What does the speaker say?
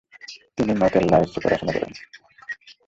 তিনি নঁতের লাইসে পড়াশোনা করেন।